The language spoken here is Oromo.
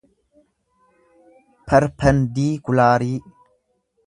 perpendiikulaarii